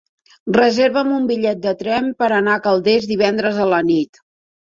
Reserva'm un bitllet de tren per anar a Calders divendres a la nit.